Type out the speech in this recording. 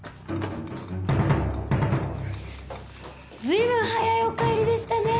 随分早いお帰りでしたね。